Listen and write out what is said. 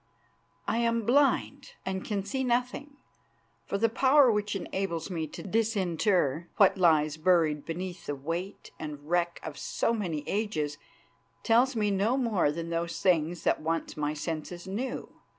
I am blind and can see nothing, for the power which enables me to disinter what lies buried beneath the weight and wreck of so many ages tells me no more than those things that once my senses knew.